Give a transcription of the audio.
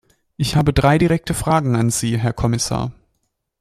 Ich habe drei direkte Fragen an Sie, Herr Kommissar.